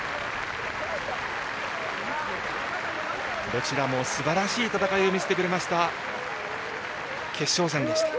どちらもすばらしい戦いを見せてくれた決勝戦でした。